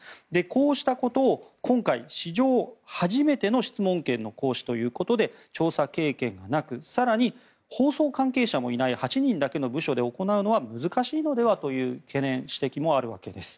こうしたことを今回史上初めての質問権の行使ということで調査経験がなく更に、法曹関係者もいない８人だけの部署で行うのは難しいのではという懸念、指摘もあるわけです。